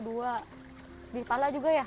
di kepala juga ya